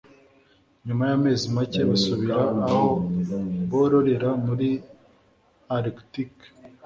Nyuma y'amezi make basubira aho bororera muri Arctique.